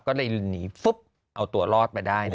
ก็เลยหนีเอาตัวรอดไปได้